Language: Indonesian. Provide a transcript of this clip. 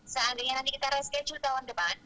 seandainya nanti kita reschedule tahun depan